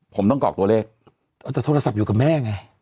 ผมต้องกรอกตัวเลขแต่โทรศัพท์อยู่กับแม่ไง